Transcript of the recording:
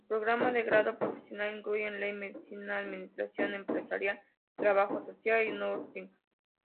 Programas de grado profesional incluyen Ley, Medicina, Administración Empresarial, Trabajo Social, y Nursing.